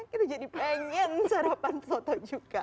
kita jadi pengen sarapan soto juga